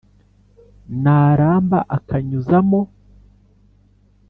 na ramba akanyuzamo,